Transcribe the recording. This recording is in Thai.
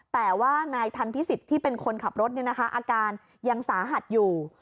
แต่ว่านายทันพิสิทธิ์ที่เป็นคนขับรถอาการยังสาหัสอยู่